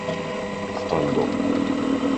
スタンド